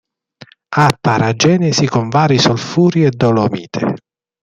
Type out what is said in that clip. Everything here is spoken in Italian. Ha paragenesi con vari solfuri e dolomite.